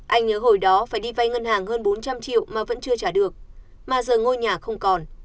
anh nhớ hồi đó phải đi vay ngân hàng hơn bốn trăm linh triệu mà vẫn chưa trả được mà giờ ngôi nhà không còn